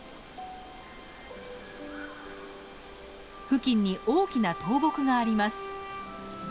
付近に大きな倒木があります。